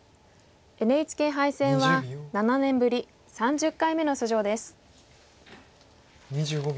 ＮＨＫ杯戦は７年ぶり３０回目の出場です。